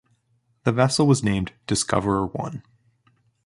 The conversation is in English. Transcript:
The vessel was named Discoverer One.